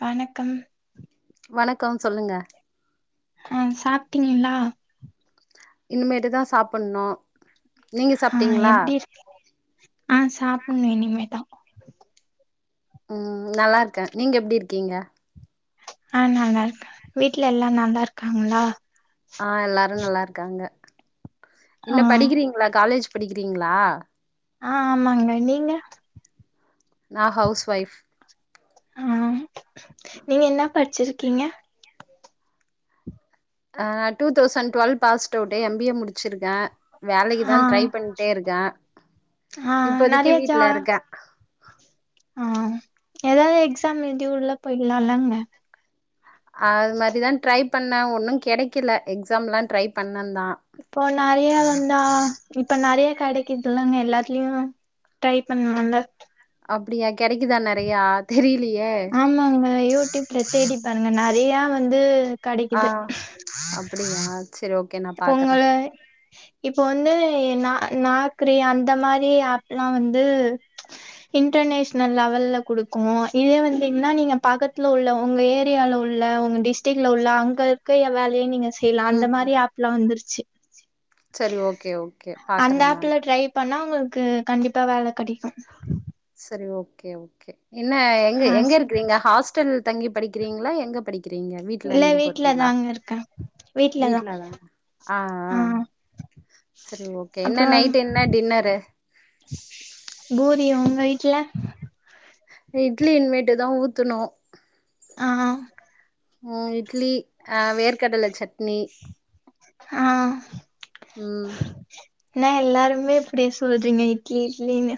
வணக்கம் வணக்கம் சொல்லுங்க அ சாப்ட்னீங்களா இனிமேட்டுதான் சாப்பணு நீங்க ஆ சாப்ட்டீங்களா எப்டி இருக் ஆ சாப்பணு இனிமேதா ம் நல்லா இருக்க நீங்க எப்டி இருக்கீங்க அ நல்லா இருக்க வீட்ல எல்லா நல்லா இருக்காங்களா ஆ எல்லாரு நல்லா இருக்காங்க ஆ என்ன படிக்றீங்களா காலேஜ் படிக்றீங்களா ஆ ஆமாங்க நீங்க நா ஹவுஸ் வைஃப் அ நீங்க என்ன படிச்சிருக்கீங்க அ two thousand twelve passed out MBA முடிச்சிருக் க வேலைக்கு தா ஆ ட்ரை பண்ட்டே இருக்கே ஆ இப்போதைக்கு நெறைய ஜா வீட்ல இருக்கே ஆ எதாது எக்ஸாம் எழுதி உள்ள போயிடலால்லங்க அது மாரிதா ட்ரை பண்ண ஒன்னு கெடைக்கல எக்ஸாம்லாம் ட்ரை பண்ண தா இப்போ நெறைய வந்தா இப்ப நெறைய கெடைக்குதுல்லாங்க எல்லாத்துலயு ட்ரை பண்லால்ல அப்டியா கெடைக்குதா நெறையா தெரியலயே ஆமாங்க ம யூடியூப்ல தேடிப்பருங்க நெறையா வந்து ஆ கெடைக்குது அப்டியா செரி ஓகே நா பாக்குறே உங்கள இப்போ வந்து நா நாக்ரி அந்த மாரி ஆப்லா வந்து இன்டர்நேஷனல் லெவல்ல குடுக்கும் இதே வந்துங்ன்னா நீங்க பக்கத்துல உள்ள உங்க ஏரியால உள்ள உங்க டிஸ்ட்ரிக்ல உள்ள அங்க இருக்க ஏவேலைய நீங்க செய்லா அந்த ம் மாரி ஆப் அ வந்துருச்சு சரி ஓகே ஓகே அந்த பாக்குறே நானு ஆப்ல ட்ரை பண்ணா உங்களுக் கு கண்டிப்பா வேல கடைக்கு சரி ஓகே ஓகே என்ன எங்க ஆ எங்க இருக்றீங்க ஹாஸ்டல் தங்கி படிக்கிறீங்களா எங்க படிக் க்றிங்க வீட்ல இல்ல இருந்து வீட்ல போறீங்களா தாங்க இருக்கே வீட்லதா ஆ ஆ சரி ஓகே என்ன அப்றோ நைட் என்ன டின்னரு பூரி உங்க வீட்ல இட்லியின்மேட்டு தா ஊத்தனு ஆஹ்ஹ ம் இட்லி ஆ வேர்க்கடல சட்னி ஆ ம் என்னா எல்லாருமே இப்டி சொல்றீங்க இட்லி இட்லினு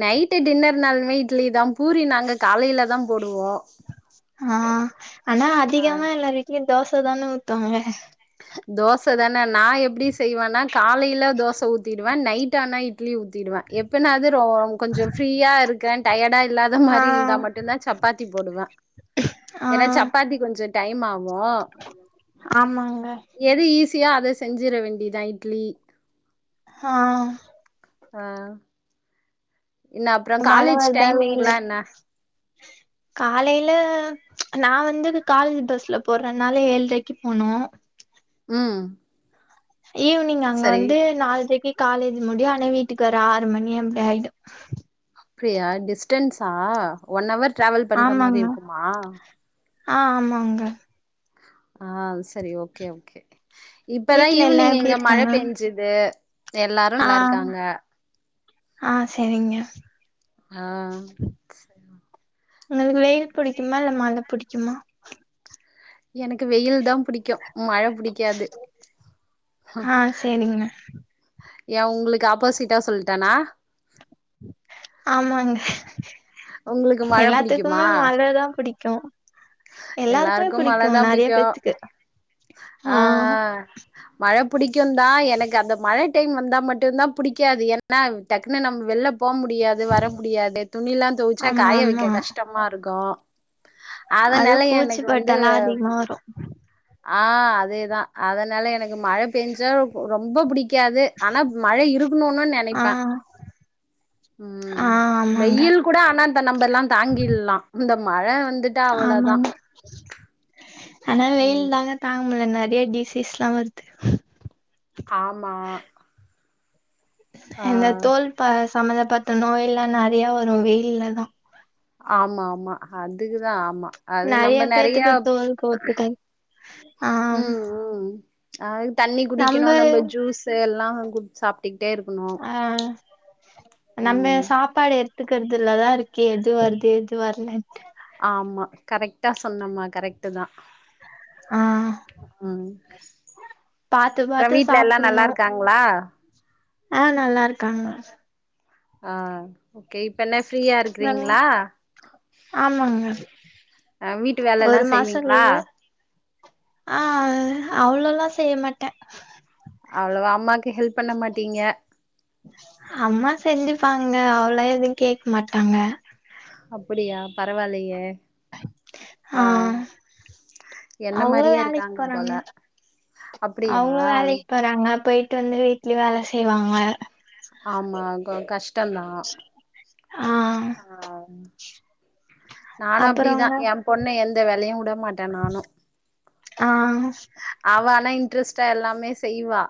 நைட்டு டின்னர்னாலுமே இட்லி தா பூரி நாங்க காலையில தான் போடுவோ ஆ ஆனா ஆ அதிகமா எல்லார் வீட்லையு தோசை தானே ஊத்துவாங்க தோசை தானே நான் எப்டி செய்வோனா காலையில தோசை ஊத்திடுவே நைட் ஆனா இட்லி ஊத்திடுவே வ எப்பனா அது ம் கொஞ்சோம் ஃப்ரீயா இருக்கே டயர்டா இல்லாத ஆ மாரி இருந்தா மட்டுந்தா சப்பாத்தி போடுவே ஏனா சப்பாத்தி கொஞ்சோ டைம் ஆகு ஆமாங் எது ஈஸியோ அத செஞ்சிட வேண்டியதா இட்லி ஆ ஆ என்ன அப்றோ மழை காலேஜ் வருதா வெயில் டைமிங்லா என்ன அடிக்குதா காலைல நா வந்து காலேஜ் பஸ்ல போறனால ஏழரைக்கு போனு ம் ஈவினிங் அங்க சரி வந்து நால்ரைக்கு காலேஜ் முடியு ஆனா வீட்டுக்கு வர ஆறு மணி அப்டி ஆய்டு அப்டியா டிஸ்டன்ஸா ஒன் அவர் டிராவல் பண்ற மாரி ஆமாங்க இருக்குமா ஆ ஆமா அங்க ஆ சரி ஓகே ஓகே இப்பதா வீட்ல எல்லா ஈவினிங் எப்டி இங்க மழை இருக்காங்க பேஞ்சுது எல்லாரு ஆ நல்லா இருக்காங்க ஆ செரிங்க ஆ செய்வான் உங்களுக்கு வெயில் புடிக்குமா இல்ல மழை புடிக்குமா எனக்கு வெயில்தா புடிக்கு மழை புடிக்காது ஆ சேரிங்க ஏன் உங்களுக்கு ஆப்போசிட்டா சொல்லிட்டனா ஆமாங்க உங்களுக்கு மழ புடிக்குமா எல்லாத்துக்குமே மழைதா புடிக்கு எல்லாருக்குமே எல்லாருக்கு பிடிக்கு மழைதா நெறைய புடிக்கு பேத்துக்கு ஆ மழை புடிக்குந்தா எனக்கு அந்த மழை டைம் வந்தா மட்டுந்தா புடிக்காது ஏனா டக்குனு நம்ம வெள்ல போ முடியாது வர முடியாது துணி எல்லா தொவச்சா ஆமா காய ஆமா வைக்க கஷ்டமா இருக்கு அதுவு அதனால பூச்சி எனக்கு வந்து பட்டெல்லா அதிகமா வரு ஆ அதேதா அதனால எனக்கு மழை பெஞ்சா ரொம்ப புடிக்கு புடிக்காது ஆனா மழை இருக்கணுனு ஆ நெனைப்பே ம் ஆ ஆமாங்க வெயில் கூட ஆனா அந்த நம்ப எல்லாந் தாங்கில்லா இந்த மழை வந்து ஆமாங்க ஆனா ம் வெயில்தாங்க தாங்கமுடில ஏ டிசிஸ்ல்லா வருது ஆமா ஆ இந்த தோல் ப சம்பந்தப்பட்ட நோயெல்லா நெறயா வரு வெயில்லதா ஆமாமா அதுக்குதா ஆமா அது நெறைய நம்ம நெறயா பேத்துக்கு தோலுக்கு ஒத்துக்காது ஆ ம் ம் அதுக்கு தண்ணி குடிக்கணு நம்ம ஜூஸ் எல்லாகு சாப் ஆ நம்ம ம் சாப்பாடு எடுத்துக்கிறது இதுலதா இருக்கு எது வருது எது வர்லன்டு ஆமா கரெக்டா சொன்னம்மா கரெக்ட்டுதா ஆ பாத்து அப்றோ பாத்து வீட்ல எல்லா சாப்புணு நல்லா இருக்காங்களா ஆ நல்லா இருக்காங்க ஆ ஓகே இப்ப என்ன ஃப்ரீயா இருக்கிறீங்ளா ஆமாங்க ஆ வீட்டு வேலெல்லா ஒரு மாசோ செய்வீங்ளா லீவு ஆ அவ்ளோ எல்லா செய்ய மாட்டே அவ்ளவா அம்மாக்கு ஹெல்ப் பண்ண மாட்டீங்க அம்மா செஞ்சுப்பாங்க அவ்ளோ எதுவு கேட்க மாட்டாங்க அப்டியா பரவா இல்லயே ஆ என்ன அவுங்களு‌ மாரியே வேலைக்கு இருக்காங்க போல போறாங்க அப்படியா அவங்களு வேலைக்கு போறாங்க போ போய்ட்டு வந்து வீட்லயு வேல செய்வாங்க ஆமா கொ கஷ்டம்தா ஆ ஆம் நானும் அப்புறோங்க அப்படிதான் என் பொண்ணை எந்த வேலையு விட மாட்டே நானும் ஆ ஸ் ஆனா இன்ட்ரெஸ்ட்டா எல்லாமே செய்வா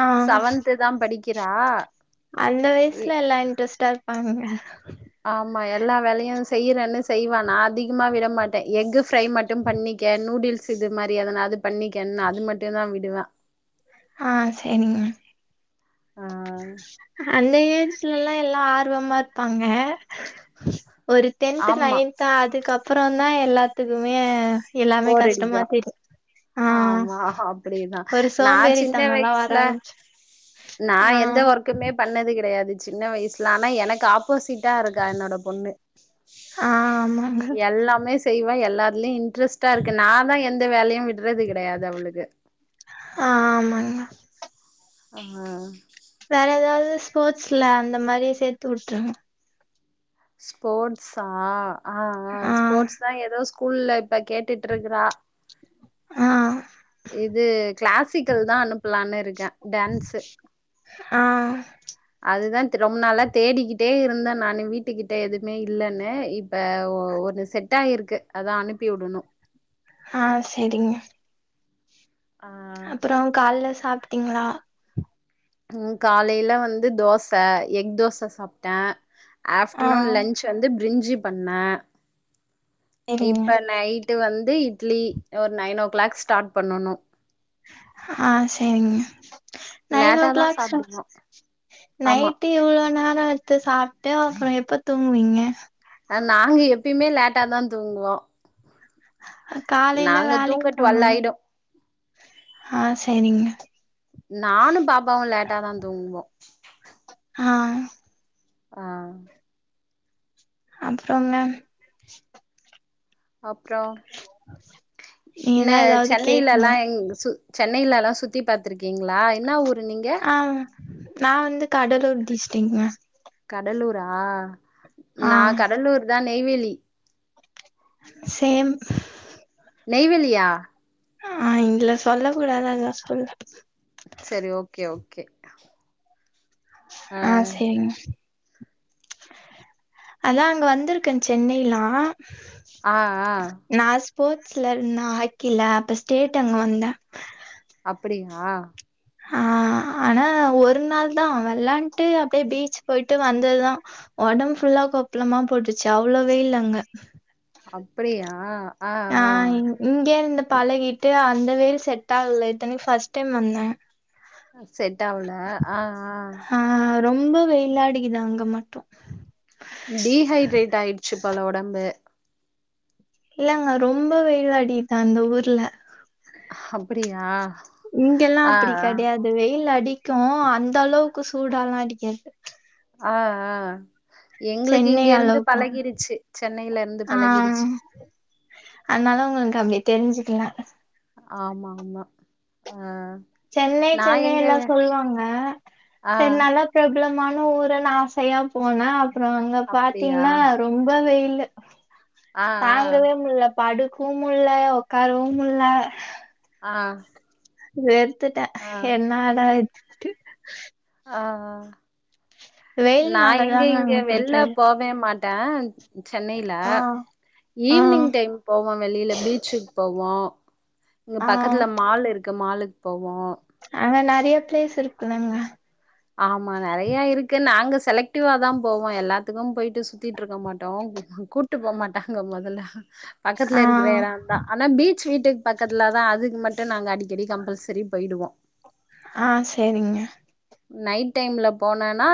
ஆ செவன்து தான் படிக்கிறா அந்த எ வயசுல எல்லா இன்ட்ரெஸ்டா இருப்பாங்க ஆமா எல்லா வேலையும் செய்யறேன்னு செய்வா நான் அதிகமா விட மாட்டேன் எக்கு ஃப்ரை மட்டும் பண்ணிக்க நூடுல்ஸ் இது மாரி எதனாவ்து பண்ணிக்கேனு அது மட்டும் தா விடுவேன் ஆ சேரிங்க ஆ அந்த ஏஜ்லல்லா எல்லா ஆர்வமா இருப்பாங்க ஒரு டென்த் ஆமா நைன்த் அதுக்கப்புறோ தா எல்லா த்துக்குமே எல்லாமே கஷ்டமா போரடிக்கு தெரியு ஆ ஆமா அப்டிதா ஒரு நான் சின்ன சோம்பேறித்தனம்லா வர வயசுல ஆரம்பிச்சு நா ஆ எந்த ஒர்க்குமே பண்ணது கெடையாது சின்ன வயசுல ஆனா எனக்கு ஆப் போசிட்டா இருக்கா என்னோட பொண்ணு ஆ ஆமாங்க எல்லாமே செய்வா எல் லாலயும் இன்ட்ரெஸ்ட்டா இருக்கு நாதான் எந்த வேலயும் விட்றது கெடையாது அவளுக்கு ஆமாங்க ஆ வேற ஏதாவது ஸ்போர்ட்ஸ்ல அந்த மாரி சேத்து வுட்ரனும் ஸ்போர்ட்ஸா ஆ ஆ ஸ்போர்ட்ஸ் தா எதோ ஸ் கூல்ல இப்ப கேட்டுட்டு இருக்றா ஆ இது கிளாசிக்கல் தா அனுப்பலனு இருக்கேன் டான்ஸு ஆ அதுதான் திரு ரொம்ப நாளா தேடிக்கிட்டே இருந்தே நானு வீட்டுக்கிட்ட எதுவுமே இல்லன்னு இப்போ ஓ ஒரு இது செட்டாயிருக்கு அதா அனுப்பி வுடணும் ஆ செரிங்க ஆ, அப்புறொம் கால்லே சாப்ட்டீங்ளா ம் காலையில வந்து தோச எக் தோச சாப்ட்டே ஆ ஆஃப்டர்நூன் லன்ச் வந்து பிரிஞ்சி பண்ணேன் செரிங்க இப்ப நைட்டு வந்து இட்லி ஒரு நைன் ஓ கிளாக் ஸ்டார்ட் பண்ணனும் ஆ சேரிங்க நைன் ஓ லேட்டா தான் கிளாக் ஸா சாப்பிடுவோம் ஆமா நைட்டு இவ்ளோ நேரொ வத்து சாப் ட்டு அப்புறொ எப்ப தூங்குவீங்க அ நாங்க எப்பயுமே லேட்டாதா தூங்குவோ காலையில நாங்க வேலைக்கு தூங்க போனு டுவல்லாயிடும் ஆ செரிங்க நானும் பாப்பாவும் லேட்டாதா தூங்குவோ ஆ ஆ அப்புறங்க அப்றொ ஆ இன்ன சென்னையிலல்லா எங்க சு சென்னையில எல்லா சுத்தி பாத்துருக்கீங்களா என்ன ஊரு நீங்க ஆ நா வந்து கடலூர் டிஸ்டிக்ங்க கடலூரா ஆ நா கடலூர் தா நெய்வேலி சேம் நெய்வேலியா ஆ இதுல சொல்ல கூடாது அதா சொல்ல செரி ஓகே ஓகே ஆ செரிங்க அதா அங்க வந்திருக்கே சென்னைல்லா ஆ ஆ ஸ்போர்ட்ஸ்ல இருந்த ஹாக்கில அப்ப ஸ்டேட் அங்க வந்த ஆ ஆ ஆனா ஒரு நாள் தா வெளையாண்டு அப்படியே பீச் போயிட்டு வந்ததுதா ஒடம்பு ஃபுல்லா கொப்பளமா போட்டுருச்சு அவ்வள வெயில் அங்க அப்படியா ஆ இங்கேந்தப் பழகிட்டு அந்த வேல் செட் ஆகல இத்தனக்கு ஃர்ஸ்ட் டைம் வந்தே செட் ஆவுல ஆ ஆ ரொம்ப வெயிலாடிக்குது அங்க மட்டு டீஹைட்ரேட் ஆயிடுச்சு போல ஒடம்பு இல்லங்க ரொம்ப வெயிலடிதா அந்த ஊர்ல அப்படியா இங்கெல்லா அப்படி கெடையாது வெயில் அடி க்கு அந்த அளவுக்கு சூடால்லா அடிக்காது ஆ ஆ எங்களுக்கு சென்னை இங்க இருந்து அளவுக்குலாம் பழகிடுச்சு சென்னையில இருந்து ஆஹ் பழகிடுச்சு அதனால உங்களுக்கு அப்படி தெரிஞ்சுக்கலா ஆமா ஆமா ஆ சென்னை நா சென்னை எங்க எல்லா சொல்வாங்க ஆ செரி நல்லா பிரபலமா ம் ஊருன்னு ஆசையா போன அப்ற அங்க அப்டியா பாத்தீங்கன்னா ரொம்ப வெயிலு ஆ ஆ தாங்கவே முல்ல படுக்கவு முல்ல உக்காரவு முல்ல ஆ வெறுத்துட்டே ஆ என்னடா இதுனுட்டு ஆ ஆ நா வெயில்னால எங்க தாங்க இங்க அங்க வெள்ல பிடிக்காது போவே மாட் ட சென்னையில ஆஹ் ஈவினிங் ஆஹ் டைம் போவாங் வெளியில பீச்சுக்கு போவோ இங்க ஆஹ் பக்கத்துல மால் இருக்கு மாலுக் அங்க நிறைய பிளேஸ் இருக்குலங்க ஆமா நெறைய இருக்கு நாங்க செலக்டிவா தான் போவோ எல்லாத்துக்கு போயிட்டு சுத்திட்டு இருக்க மாட்டோ கூட்டு போக மாட்டாங்க மொதல்ல பக்கத்துல இருக்கிற ஆஹ் எடந்தா ஆனா பீச் வீட்டுக்கு பக்கத்துல தா அதுக்கு மட்டு நாங்க அடிக்கடி கம்பல்செரி போயிடுவோ ஆ செரிங்க நைட் டைம்ல போனன்னா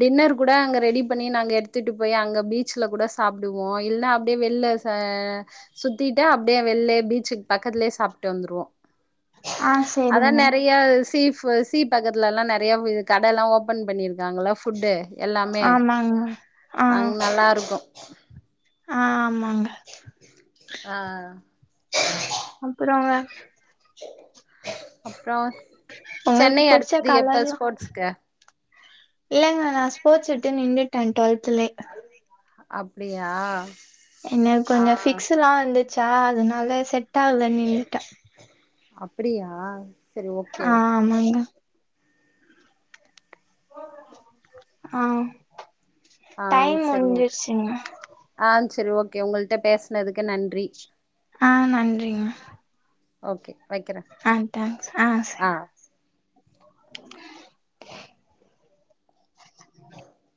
டின்னர் கூட அங்க ரெடி பண்ணி நாங்க எடுத்துட்டு போய் அங்க பீச் ச்சுல கூட சாப்பிடுவோ இல்ல அப்படி வெள்ள சுத்திட்டு அப்படியே வெள்ளயே பீச்சுக்கு பக்க க்கதுலயே சாப்ட்டு வந்துருவோ ஆ அத சேரிங்க நெறைய சீ ஃபு ப சீ பக்கத்துலல்லா நெறைய இ கடல்லா ஓப்பன் பண்ணியிருக்கங்களா ஃபுட்டு எல்லாமே ஆமாங்க அங் நல்லா இருக்கு ஆம் ஆ அப்புறங்க அப்றோ உங்களுக்கு சென்னை புடிச்ச அடுத்தது எப்ப கலர்லா ஸ்போர்ட்ஸ்கு இல்லங்க நா ஸ்போர்ட்ஸ் விட்டு நின்னுட்டே டுவெல்த்லயே அப்டியா என்ன ஆ கொஞ்ச ஃபிக்ஸ்ல்லா வந்துச்சா அதனால செட் ஆகல நின்னுட்ட அப்டியா செரி ஓகே ஆ ஓகே ஆமாங்க ஆ ஆ டைம் செரி ஓகே முடிஞ்ச்ருச்சுங்க ஆ செரி ஓக்கே உங்கள்ட்ட பேசனதுக்கு நன்றி ஆ நன்றிங்க ஓகே வைக்கிறே ஆ தேங்ஸ் ஆ செர்